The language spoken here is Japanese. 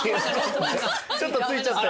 ちょっと付いちゃって。